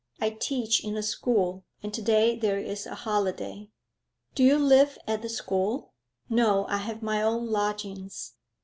'I teach in a school, and to day there is a holiday.' 'Do you live at the school?' 'No. I have my own lodgings.'